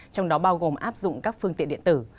trong đó bao gồm áp dụng các phương tiện điện tử